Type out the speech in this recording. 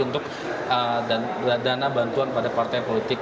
untuk dana bantuan pada partai politik